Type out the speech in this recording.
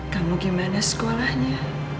kamu gimana sekolahnya